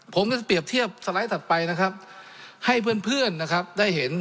ผมจะเปรียบเทียบสไลด์ถัดไปให้เพื่อนได้เห็น